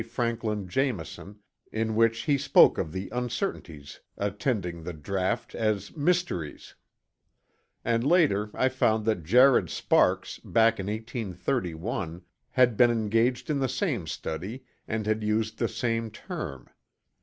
Franklin Jameson in which he spoke of the uncertainties attending the draught as "mysteries"; and later I found that Jared Sparks, back in 1831, had been engaged in the same study and had used the same term.